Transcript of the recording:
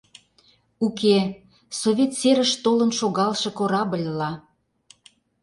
Уке, совет серыш толын шогалше корабльла.